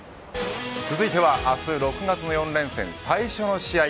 続いては明日６月の４連戦、最初の試合